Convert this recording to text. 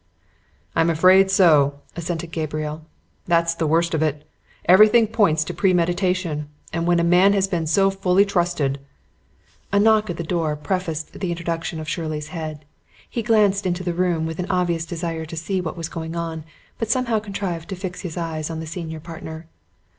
"I'm afraid so," assented Gabriel. "That's the worst of it. Everything points to premeditation. And when a man has been so fully trusted " A knock at the door prefaced the introduction of Shirley's head. He glanced into the room with an obvious desire to see what was going on, but somehow contrived to fix his eyes on the senior partner.